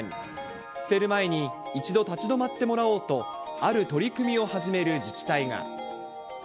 捨てる前に一度立ち止まってもらおうと、ある取り組みを始める自治体が。